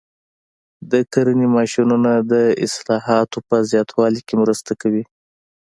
د کرنې ماشینونه د حاصلاتو په زیاتوالي کې مرسته کوي.